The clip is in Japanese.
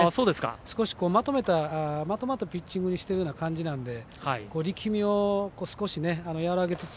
少しまとまったようなピッチングにしている感じなんで力みを少し和らげつつ